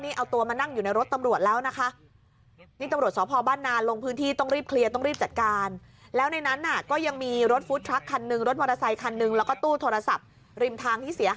นี่เอาตัวมานั่งอยู่ในรถตำรวจแล้วนะคะ